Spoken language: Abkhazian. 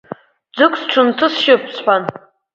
Ӡык сҽынҭысшьып, — сҳәан…